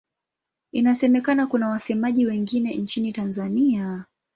Inasemekana kuna wasemaji wengine nchini Tanzania.